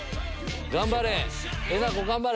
頑張れ！